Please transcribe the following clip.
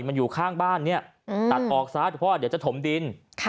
มันอยู่ข้างบ้านเนี่ยตัดออกซะเพราะว่าเดี๋ยวจะถมดิน